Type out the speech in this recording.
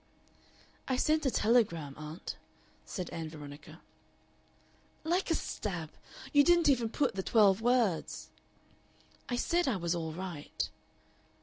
"I sent a telegram, aunt," said Ann Veronica. "Like a stab. You didn't even put the twelve words." "I said I was all right."